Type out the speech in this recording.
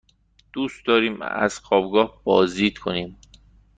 دوست داریم از خوابگاه بازدید کنیم.